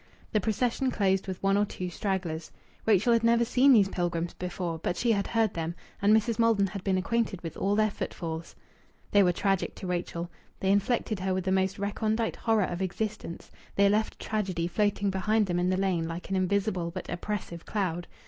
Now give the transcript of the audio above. The procession closed with one or two stragglers. Rachel had never seen these pilgrims before, but she had heard them; and Mrs. Maldon had been acquainted with all their footfalls. They were tragic to Rachel; they infected her with the most recondite horror of existence; they left tragedy floating behind them in the lane like an invisible but oppressive cloud.